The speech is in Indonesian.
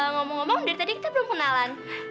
ngomong ngomong dari tadi kita belum kenalan